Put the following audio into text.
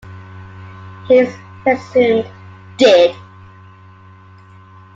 He is presumed dead.